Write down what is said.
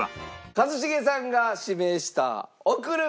一茂さんが指名した『贈る言葉』は。